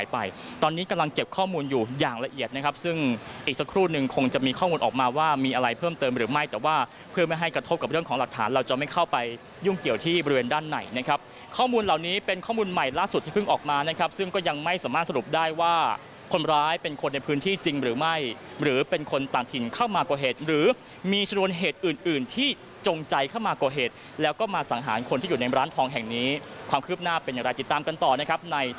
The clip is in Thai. ไปยุ่งเกี่ยวที่บริเวณด้านไหนนะครับข้อมูลเหล่านี้เป็นข้อมูลใหม่ล่าสุดที่เพิ่งออกมานะครับซึ่งก็ยังไม่สามารถสรุปได้ว่าคนร้ายเป็นคนในพื้นที่จริงหรือไม่หรือเป็นคนต่างถิ่นเข้ามากว่าเหตุหรือมีชนวนเหตุอื่นที่จงใจเข้ามากว่าเหตุแล้วก็มาสังหารคนที่อยู่ในร้านทองแห่งนี้ความคืบหน้าเป็นอย